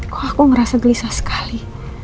kok aku merasa gelisah sekali